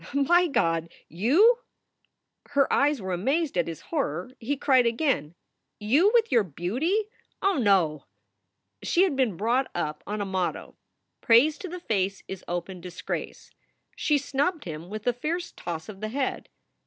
"My God! You!" Her eyes were amazed at his horror. He cried, again: "You with your beauty! Oh no!" She had been brought up on a motto, "Praise to the face is open disgrace." She snubbed him with a fierce toss of the head.